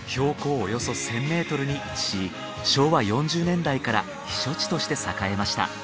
およそ１，０００ｍに位置し昭和４０年代から避暑地として栄えました。